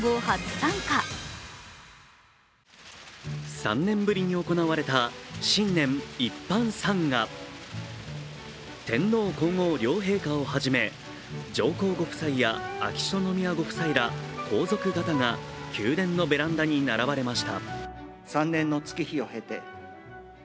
３年ぶりに行われた新年一般参賀天皇皇后両陛下をはじめ上皇ご夫妻や秋篠宮ご夫妻ら皇族方が宮殿のベランダに並ばれました。